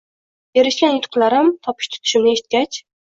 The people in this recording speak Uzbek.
Erishgan yutiqlarim, topish tutishimni eshitgach: